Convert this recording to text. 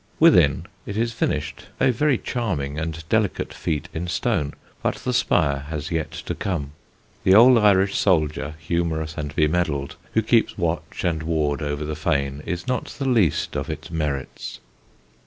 Within, it is finished, a very charming and delicate feat in stone; but the spire has yet to come. The old Irish soldier, humorous and bemedalled, who keeps watch and ward over the fane, is not the least of its merits.